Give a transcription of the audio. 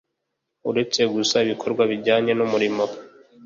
Uretse gusa ibikorwa bijyanye n umurimo